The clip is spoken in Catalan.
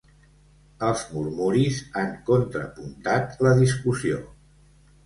Els murmuris han contrapuntat la discussió.